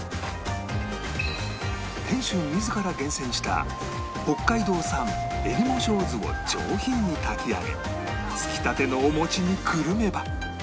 店主自ら厳選した北海道産エリモショウズを上品に炊き上げつきたてのお餅にくるめば